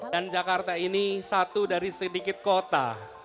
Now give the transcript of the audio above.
dan jakarta ini satu dari sedikit kota